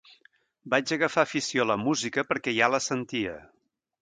Vaig agafar afició a la música perquè ja la sentia.